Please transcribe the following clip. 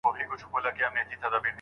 موږ ولي له ماڼۍ څخه ډګر ته وړاندي ځو؟